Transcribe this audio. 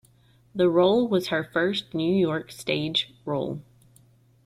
The role was her first New York stage role.